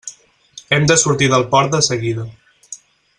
Hem de sortir del port de seguida.